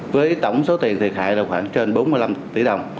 với tổng số tiền thiệt hại là khoảng trên bốn mươi năm tỷ đồng